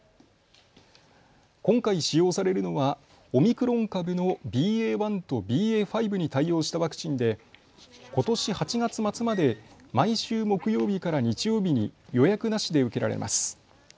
今回使用されるのはオミクロン株のＢＡ．１とＢＡ．５に対応したワクチンでことし８月末まで毎週木曜日から日曜日に予約なしで受けられます。